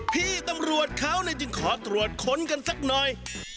พี่ตำรวจเขาจึงขอตรวจค้นกันสักหน่อย